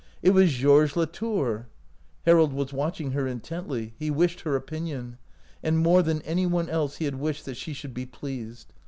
It was Georges Latour ! Har old was watching her intently; he wished her opinion. And more than any one else he had wished that she should be pleased.